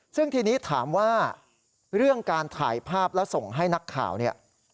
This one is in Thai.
ซึ่งทีนี้ถามว่าเรื่องการถ่ายภาพแล้วส่งให้นักข่าวเนี่ย